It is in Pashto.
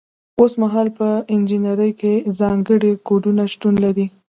اوس مهال په انجنیری کې ځانګړي کوډونه شتون لري.